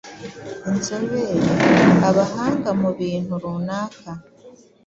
Inzobere: abahanga mu bintu runaka.